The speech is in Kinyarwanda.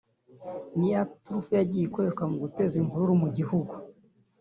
ni ya turufu yagiye ikoreshwa mu guteza imvururu mu gihugu